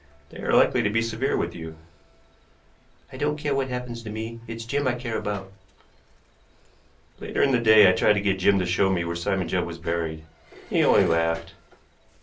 They are likely to be severe with you." "I don't care what happens to me; it's Jim I care about." Later in the day I tried to get Jim to show me where Simon Judd was buried. He only laughed.